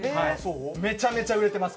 めちゃめちゃ売れてます